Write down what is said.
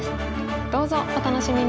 どうぞお楽しみに！